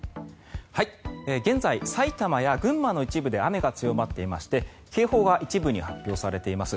現在、埼玉や群馬の一部で雨が強まっていまして警報が一部に発表されています。